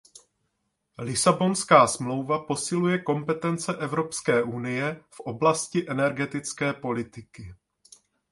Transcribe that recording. Lisabonská smlouva posiluje kompetence Evropské unie v oblasti energetické politiky.